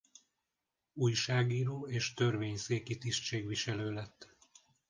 Újságíró és törvényszéki tisztségviselő lett.